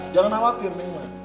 jangan khawatir neng lah